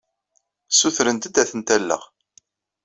Ssutrent-d ad tent-alleɣ.